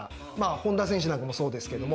本田選手なんかもそうですけども。